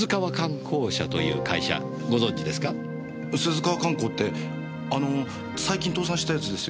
鈴川管工ってあの最近倒産したやつですよね？